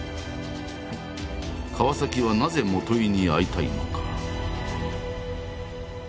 川はなぜ元井に会いたいのか。